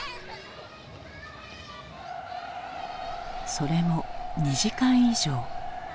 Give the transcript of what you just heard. それも２時間以上。